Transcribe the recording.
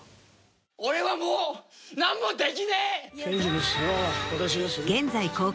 俺はもう何もできねえ！